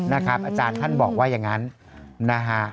อาจารย์ท่านบอกว่าอย่างนั้นนะฮะ